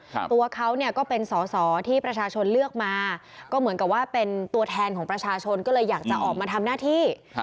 ตัวเขาเนี่ยก็เป็นสอสอที่ประชาชนเลือกมาก็เหมือนกับว่าเป็นตัวแทนของประชาชนก็เลยอยากจะออกมาทำหน้าที่ครับ